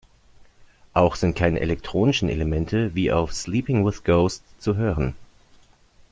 Auch sind keine elektronischen Elemente, wie auf Sleeping with Ghosts, zu hören.